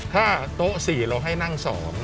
ถ้าโต๊ะ๔เราให้นั่ง๒